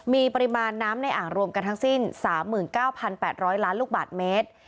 มีปริมาณน้ำในอ่างรวมกันทั้งสิ้น๓๙๘๐๐ล้านลูกบาทเมตร